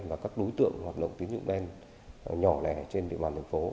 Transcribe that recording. và các đối tượng hoạt động tín dụng đen nhỏ lẻ trên địa bàn thành phố